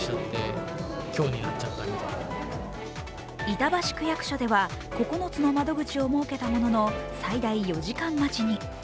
板橋区役所では９つの窓口を設けたものの最大４時間待ちに。